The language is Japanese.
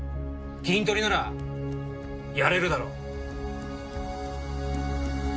キントリならやれるだろ。